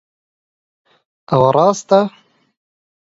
ئەوە ڕاستە؟